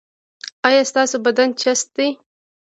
ایا ستاسو بدن چست دی؟